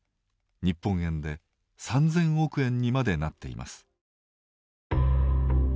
日本円で３０００億円にまでなっています。